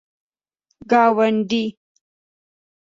گاونډی